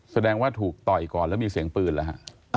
แสดงว่าถูกต่อยก่อนแล้วมีเสียงปืนแล้วฮะ